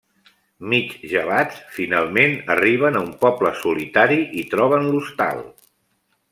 Mig gelats, finalment arriben a un poble solitari i troben l'hostal.